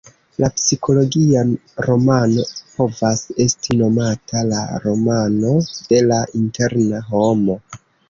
La psikologia romano povas esti nomata la romano de la "interna homo".